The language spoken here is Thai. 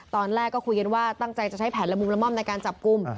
ตอนแรกก็คุยกันว่าตั้งใจจะใช้แผนละมุงละม่อมในการจับกลุ่ม